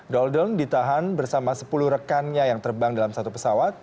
dolden ditahan bersama sepuluh rekannya yang terbang dalam satu pesawat